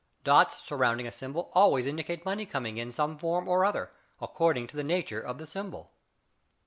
Dots surrounding a symbol always indicate money coming in some form or other, according to the nature of the symbol.